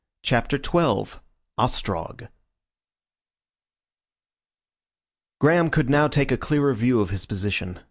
CHAPTER XII OSTROG Graham could now take a clearer view of his position.